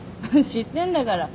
知ってんだから。